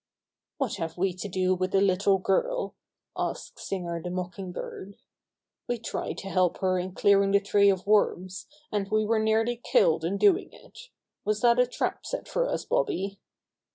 "What have we to do with the little girl?'* asked Singer the Mocking Bird. "We tried to help her in clearing the tree of worms, and we were nearly killed in doing it. Was that a trap set for us, Bobby?"